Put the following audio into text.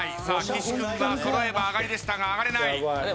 さあ岸君は揃えば上がりでしたが上がれない。